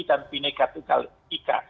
dan bineka iii